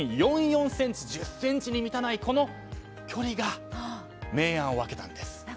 １０ｃｍに満たないこの距離が明暗を分けたんです。